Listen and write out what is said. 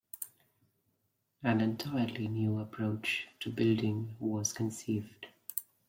An entirely new approach to building was conceived.